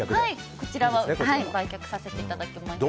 こちらも売却させていただきました。